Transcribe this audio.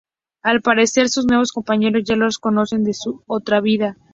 Al parecer sus nuevos compañeros ya los conocen de su otra vida.